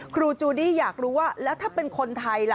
ครูจูดี้อยากรู้ว่าแล้วถ้าเป็นคนไทยล่ะ